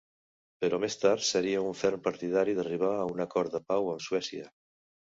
Però més tard seria un ferm partidari d'arribar a un acord de pau amb Suècia.